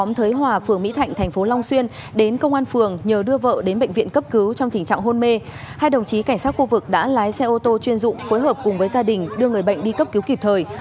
lãnh đạo công an phường mỹ thạnh thành phố long xuyên tỉnh an giang đã nhanh chóng cử lực lượng cảnh sát khu vực lái xe ô tô chuyên dụng để đưa bệnh nhân đến bệnh viện cấp cứu kịp thời